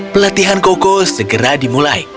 pelatihan koko segera dimulai